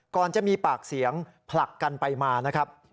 ก่อนจะมีปากเสียงผลักกันไปมานะครับ